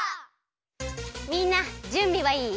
みんなじゅんびはいい？